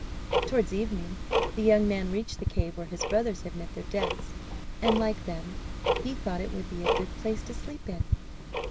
Towards evening the young man reached the cave where his brothers had met their deaths, and, like them, he thought it would be a good place to sleep in.